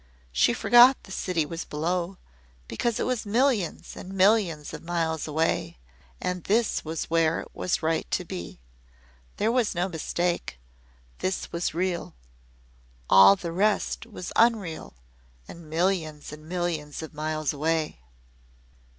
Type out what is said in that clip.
She forgot the city was below, because it was millions and millions of miles away, and this was where it was right to be. There was no mistake. This was real. All the rest was unreal and millions and millions of miles away.